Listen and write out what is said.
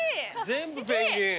全部ペンギン。